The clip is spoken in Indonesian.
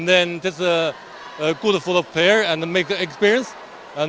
dan itu bagus untuk pemain dan mengalami pengalaman